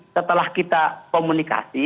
setelah kita komunikasi